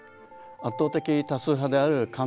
圧倒的多数派である漢